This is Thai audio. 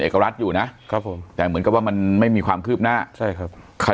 เอกรัฐอยู่นะครับผมแต่เหมือนกับว่ามันไม่มีความคืบหน้าใช่ครับใคร